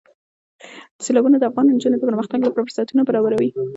سیلابونه د افغان نجونو د پرمختګ لپاره فرصتونه برابروي.